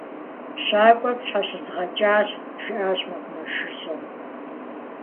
Щакӏуэр пщхьэщызгъэкӏащ, - жиӏащ мэкъумэшыщӏэм.